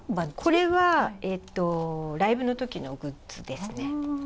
これはライブのときのグッズです。